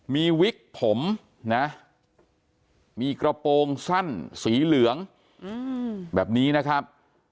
มีวิกผมนะมีกระโปรงสั้นสีเหลืองแบบนี้นะครับ